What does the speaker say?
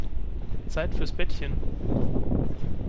Zeit fürs Bettchen.